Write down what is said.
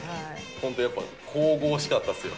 ホントやっぱ神々しかったですよ。